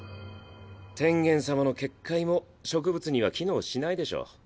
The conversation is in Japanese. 天元様の結界も植物には機能しないでしょ。